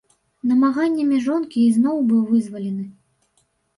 Намаганнямі жонкі ізноў быў вызвалены.